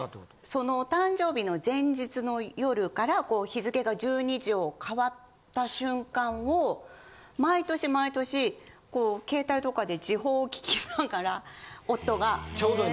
そのお誕生日の前日の夜から日付が１２時を変わった瞬間を毎年毎年携帯とかで時報を聞きながら夫が。